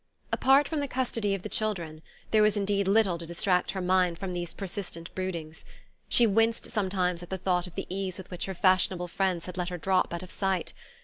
Apart from the custody of the children there was indeed little to distract her mind from these persistent broodings. She winced sometimes at the thought of the ease with which her fashionable friends had let her drop out of sight.